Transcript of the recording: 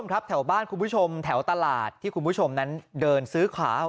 ครับแถวบ้านคุณผู้ชมแถวตลาดที่คุณผู้ชมนั้นเดินซื้อขา